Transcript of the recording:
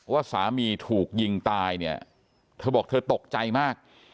ว่าสามีถูกยิงตายเนี่ยเธอบอกเธอตกใจมาก